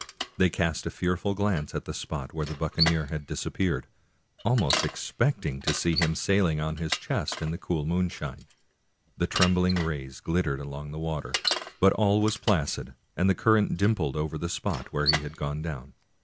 They cast a fearful glance at the spot where the buccaneer had disappeared, almost expecting to see him sailing on his chest in the cool moonshine. The trembling rays glittered along the waters, but all was placid, and the current dimpled over the spot where he had gone down.